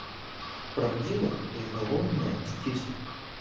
Праўдзіва і, галоўнае, сцісла.